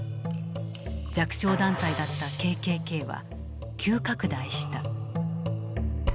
弱小団体だったＫＫＫは急拡大した。